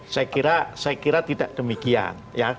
saya kira tidak demikian